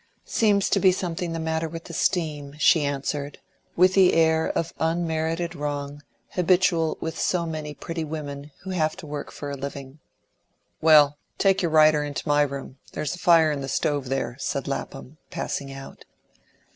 "Seems to be something the matter with the steam," she answered, with the air of unmerited wrong habitual with so many pretty women who have to work for a living. "Well, take your writer into my room. There's a fire in the stove there," said Lapham, passing out.